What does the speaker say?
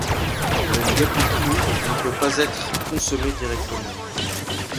Le Ngapi cru ne peut pas être consommée directement.